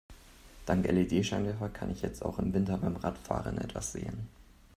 Dank LED-Scheinwerfer kann ich jetzt auch im Winter beim Radfahren etwas sehen.